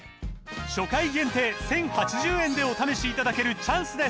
初回限定１，０８０円でお試しいただけるチャンスです